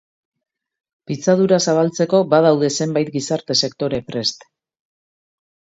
Pitzadura zabaltzeko badaude zenbait gizarte sektore prest.